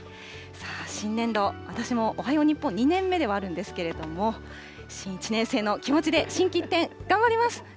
新年度、私もおはよう日本２年目ではあるんですけれども、新１年生の気持ちで、心機一転、頑張ります。